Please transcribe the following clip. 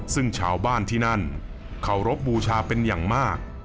ซึ่งชาวบ้านที่นั่นเคารพบูชาเป็นอย่างมาก